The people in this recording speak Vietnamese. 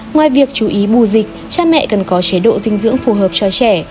ngoài việc chú ý bù dịch cha mẹ cần có chế độ dinh dưỡng phù hợp cho trẻ